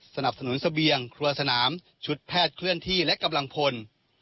สนับสนุนเสบียงครัวสนามชุดแพทย์เคลื่อนที่และกำลังพล